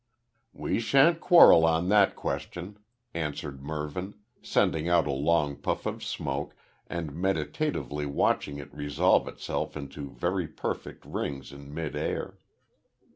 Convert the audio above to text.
"We shan't quarrel on that question," answered Mervyn, sending out a long puff of smoke, and meditatively watching it resolve itself into very perfect rings in mid air.